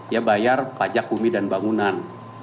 ya bayar pajak bumi dan bangunan